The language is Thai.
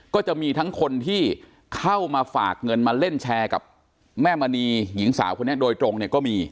ก็จะมีทั้งคนที่เข้ามาฝากเงินมาเล่นแชร์กับแม่มณีหญิงสาวคนนี้โดยตรงเนี่ยก็มี